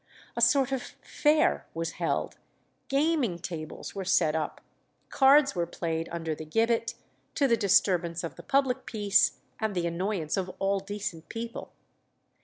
A sort of fair was held, gaming tables were set up, cards were played under the gibbet, to the disturbance of the public peace and the annoyance of all decent people.